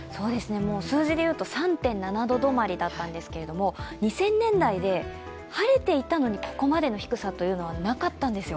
数字で言うと３．７度止まりだったんですけど２０００年代で晴れていたのにここまでの低さというのはなかったんですよ。